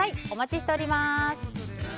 お待ちしております。